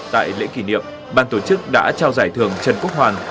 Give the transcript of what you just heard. tại lễ kỷ niệm ban tổ chức đã trao giải thưởng trần quốc hoàn